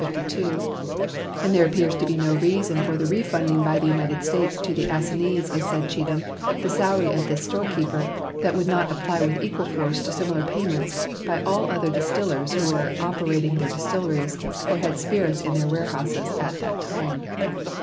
52), and there appears to be no reason for the refunding by the United States to the assignees of said Cheatham the salary of this storekeeper that would not apply with equal force to similar payments by all other distillers who were operating their distilleries or had spirits in their warehouses at that time."